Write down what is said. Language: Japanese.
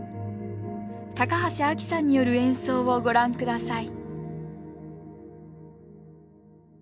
高橋アキさんによる演奏をご覧ください